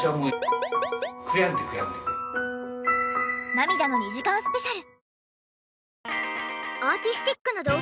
涙の２時間スペシャル。